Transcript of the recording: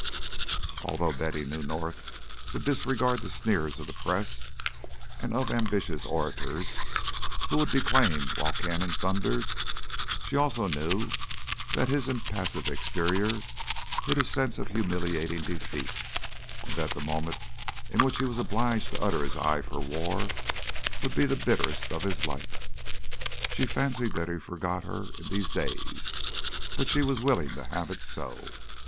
Although Betty knew North would disregard the sneers of the press and of ambitious orators who would declaim while cannon thundered, she also knew that his impassive exterior hid a sense of humiliating defeat, and that the moment in which he was obliged to utter his aye for war would be the bitterest of his life. She fancied that he forgot her in these days, but she was willing to have it so.